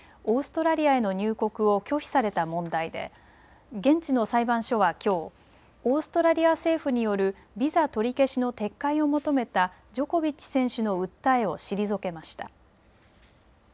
オーストラリアへの入国を拒否された問題で現地の裁判所はきょうオーストラリア政府によるビザ取り消しの撤回を求めたジョコビッチ選手の訴えを退けました。